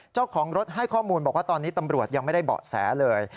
เจ้าของรถให้ข้อมูลบอกว่าตอนนี้ตำรวจยังไม่ได้เบาะแสเลย